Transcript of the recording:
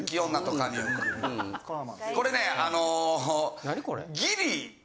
これねあのギリ。